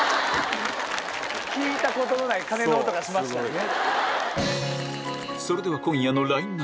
聞いたことのない鐘の音がしましたね。